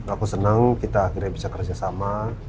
aku senang kita akhirnya bisa kerjasama